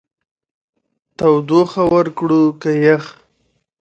تودوخه ورکړو که يخ؟